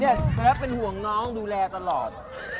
เนี่ยแสดงเป็นห่วงน้องดูแลตลอด